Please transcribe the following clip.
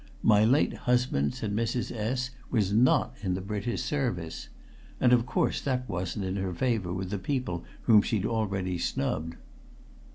'My late husband,' said Mrs. S., 'was not in the British service!' And of course that wasn't in her favour with the people whom she'd already snubbed."